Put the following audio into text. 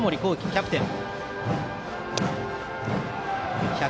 キャプテン。